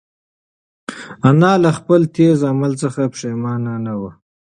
انا له خپل تېز عمل څخه پښېمانه وه.